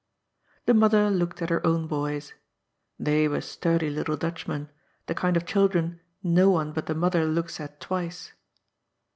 The mother looked at her own boys. They were sturdy little Dutchmen, the kind of children no one but the mother looks at twice.